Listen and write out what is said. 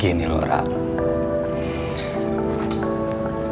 gini loh rara